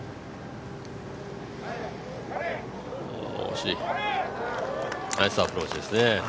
惜しい、ナイスアプローチですね。